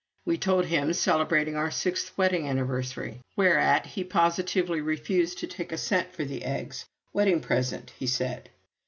We told him, celebrating our sixth wedding anniversary. Whereat he positively refused to take a cent for the eggs wedding present, he said.